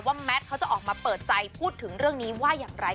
แมทเขาจะออกมาเปิดใจพูดถึงเรื่องนี้ว่าอย่างไร